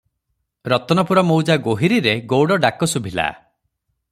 ରତନପୁର ମୌଜା ଗୋହିରୀରେ ଗଉଡ଼ ଡାକ ଶୁଭିଲା ।